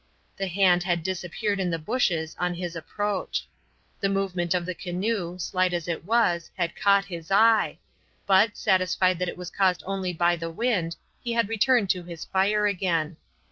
The hand had disappeared in the bushes on his approach. The movement of the canoe, slight as it was, had caught his eye, but, satisfied that it was caused only by the wind, he had returned to his fire again.